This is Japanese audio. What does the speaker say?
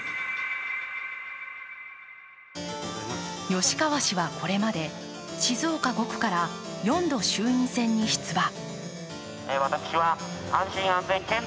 吉川氏はこれまで静岡５区から４度、衆院選に出馬。